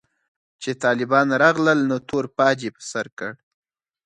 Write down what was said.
چې طالبان راغلل نو تور پاج يې پر سر کړ.